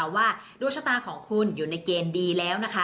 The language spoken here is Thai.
ส่งผลทำให้ดวงชะตาของชาวราศีมีนดีแบบสุดเลยนะคะ